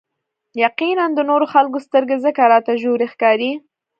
يقيناً د نورو خلکو سترګې ځکه راته ژورې ښکاري.